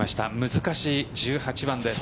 難しい１８番です。